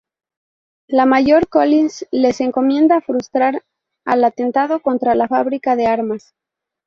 El mayor Collins les encomienda frustrar el atentado contra la fábrica de armas.